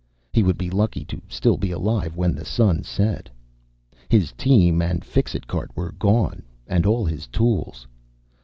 He would be lucky to still be alive when the sun set. His team and Fixit cart were gone and all his tools.